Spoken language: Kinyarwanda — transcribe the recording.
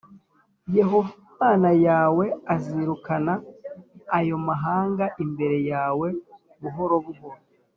Yehova Imana yawe azirukana ayo mahanga imbere yawe buhoro buhoro.